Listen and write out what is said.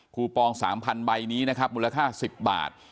คูปอง๓๐๐๐ใบนี้มูลค่า๑๐บาท